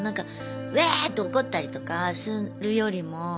わって怒ったりとかするよりも。